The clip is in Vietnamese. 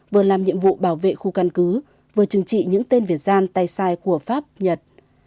vừa làm nhiệm vụ bảo vệ khu căn cứ vừa chừng trị những tên việt gian tay sai của pháp nhật